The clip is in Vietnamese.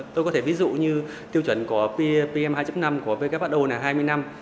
tôi có thể ví dụ như tiêu chuẩn của ppm hai năm của who là hai mươi năm